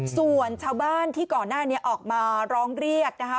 ส่วนชาวบ้านที่ก่อนหน้านี้ออกมาร้องเรียกนะคะ